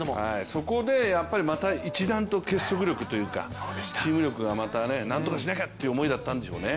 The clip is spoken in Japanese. そこでまた一段と結束力チーム力が、なんとかしなきゃという思いだったんでしょうね。